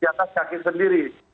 di atas kaki sendiri